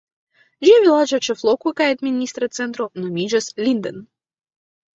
Ĝia vilaĝa ĉefloko kaj administra centro nomiĝas Linden.